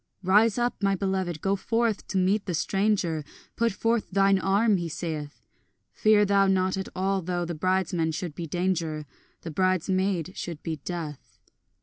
Rise up, my beloved, go forth to meet the stranger, Put forth thine arm, he saith; Fear thou not at all though the bridesman should be Danger, The bridesmaid should be Death.